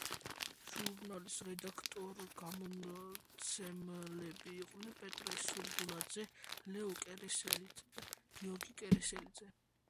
ჟურნალის რედაქტორ–გამომცემლები იყვნენ პეტრე სურგულაძე, ლეო კერესელიძე და გიორგი კერესელიძე.